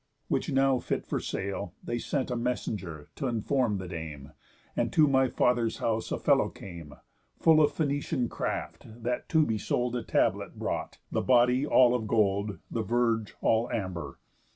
Which now fit for sail, They sent a messenger t' inform the dame; And to my father's house a fellow came, Full of Phœnician craft, that to be sold A tablet brought, the body all of gold, The verge all amber.